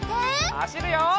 はしるよ！